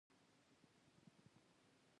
تمرین ضروري دی.